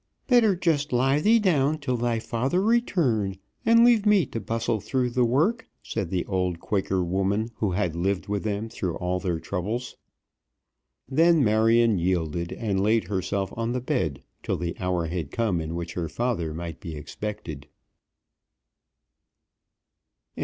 "Better just lie thee down till thy father return, and leave me to bustle through the work," said the old Quaker woman who had lived with them through all their troubles. Then Marion yielded, and laid herself on the bed till the hour had come in which her father might be expected.